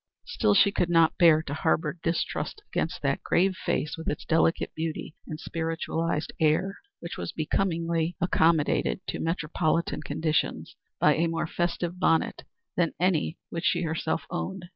Still she could not bear to harbor distrust against that grave face with its delicate beauty and spiritualized air, which was becomingly accommodated to metropolitan conditions by a more festive bonnet than any which she herself owned.